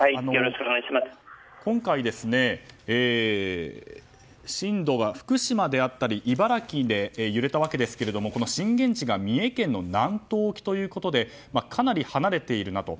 今回、福島であったり茨城で揺れたわけですけども、震源地が三重県の南東沖ということでかなり離れているなと。